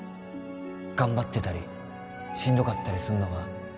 頑張ってたりしんどかったりするのは